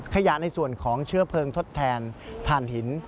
ขยะในส่วนของเชื้อเพลิงทดแทนฐานหิน